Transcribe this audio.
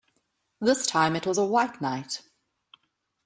This time it was a White Knight.